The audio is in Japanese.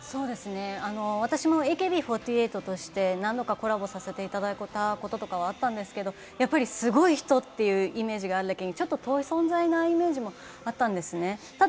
私もＡＫＢ４８として何度かコラボさせていただいたこととかあったんですけれども、やっぱりすごい人というイメージがあるだけに、ちょっと遠い存在のイメージもあったんですね。